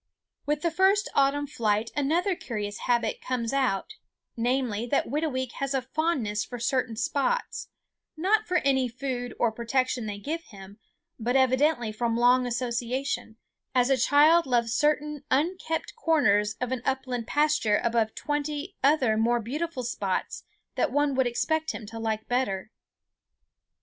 With the first autumn flight another curious habit comes out, namely, that Whitooweek has a fondness for certain spots, not for any food or protection they give him, but evidently from long association, as a child loves certain unkempt corners of an upland pasture above twenty other more beautiful spots that one would expect him to like better.